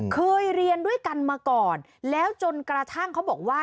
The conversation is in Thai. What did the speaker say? เคยเรียนด้วยกันมาก่อนแล้วจนกระทั่งเขาบอกว่า